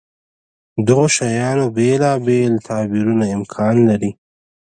دغو شیانو بېلابېل تعبیرونه امکان لري.